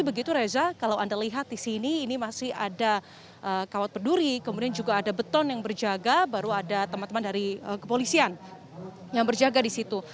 begitu reza kalau anda lihat di sini ini masih ada kawat berduri kemudian juga ada beton yang berjaga baru ada teman teman dari kepolisian yang berjaga di situ